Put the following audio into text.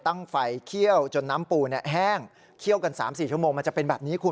ตั้งไฟเขี้ยวจนน้ำปูแห้งเคี่ยวกัน๓๔ชั่วโมงมันจะเป็นแบบนี้คุณ